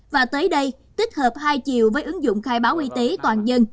và tới đây tích hợp hai chiều với ứng dụng khai báo y tế toàn dân